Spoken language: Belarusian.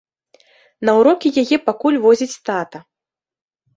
На ўрокі яе пакуль возіць тата.